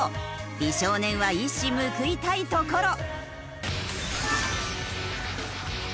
美少年は一矢報いたいところ。